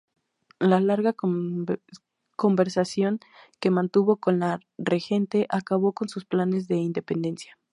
La larga conversación que mantuvo con la Regente acabó con sus planes de "independencia".